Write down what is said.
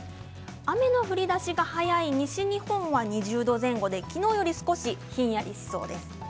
雨の降りだしが早い西日本は２０度前後で、きのうより少しひんやりしそうです。